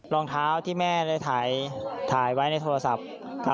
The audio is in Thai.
รองเท้าที่แม่ได้ถ่ายไว้ในโทรศัพท์